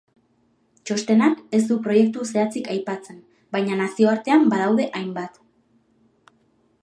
Txostenak ez du proiektu zehatzik aipatzen, baina nazioartean badaude hainbat.